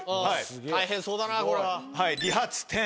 大変そうだなこれは。